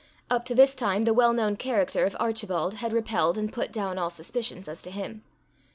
Up to this time the well known character of Archibald had repelled and put down all suspicions as to him.